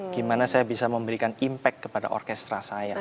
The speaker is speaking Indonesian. gimana saya bisa memberikan impact kepada orkestra saya